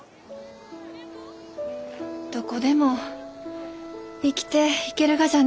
どこでも生きていけるがじゃね。